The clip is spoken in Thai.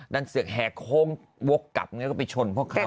ดันเสือกแหฮคโครงวกกลับเลยไปชนพวกเค้า